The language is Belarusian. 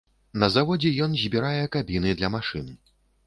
На заводзе ён збірае кабіны для машын.